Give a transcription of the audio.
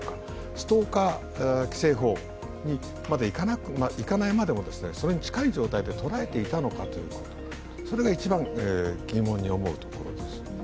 ストーカー規制法までいかないまでもそれに近い状態と捉えていたのかとそれが一番疑問に思うところです。